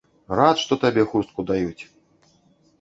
Рад, што табе хустку даюць!